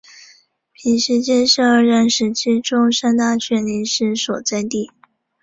坪石街是二战时期中山大学临时所在地。